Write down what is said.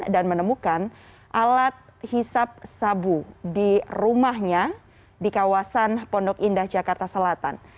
dan menemukan alat hisap sabu di rumahnya di kawasan pondok indah jakarta selatan